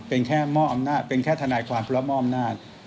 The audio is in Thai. เป็นแค่มอบอำนาจเป็นแค่ทนายความเพราะมอบอำนาจ